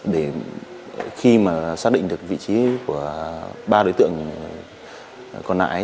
để khi mà xác định được vị trí của ba đối tượng còn lại